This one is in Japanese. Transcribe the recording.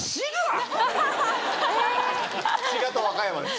滋賀と和歌山です